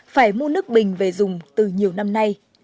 phải mua nước bình về dùng từ nhiều năm nay